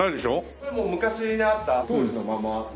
これもう昔にあった当時のままのものですね。